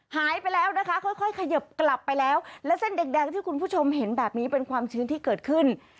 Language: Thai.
หายไปแล้วนะคะค่อยเขยิบกลับไปแล้วและเส้นแดงที่คุณผู้ชมเห็นแบบนี้เป็นความชื้นที่เกิดขึ้น